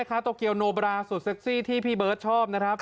เขายอมแพ้ไปเลยอ่ะเดี๋ยว